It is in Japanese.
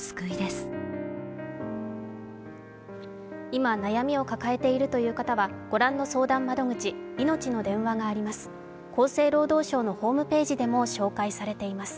今悩みを抱えているという方は、御覧の相談窓口・いのちの電話があります。